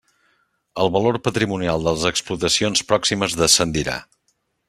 El valor patrimonial de les explotacions pròximes descendirà.